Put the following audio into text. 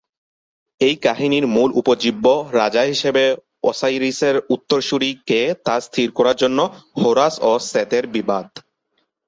এই কাহিনির মূল উপজীব্য রাজা হিসেবে ওসাইরিসের উত্তরসূরি কে তা স্থির করার জন্য হোরাস ও সেতের বিবাদ।